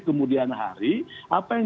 kemudian hari apa yang